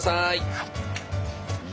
はい。